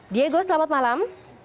diego selamat malam